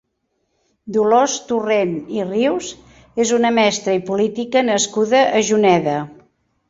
Dolors Torrent i Rius és una mestra i política nascuda a Juneda.